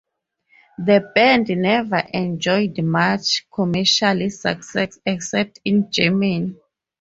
The band never enjoyed much commercial success, except in Germany.